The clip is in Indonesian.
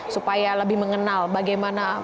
supaya lebih mengenal bagaimana